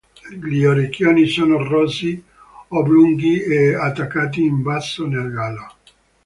Gli orecchioni sono rossi, oblunghi e attaccati in basso nel gallo.